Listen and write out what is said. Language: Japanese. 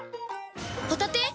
ホタテ⁉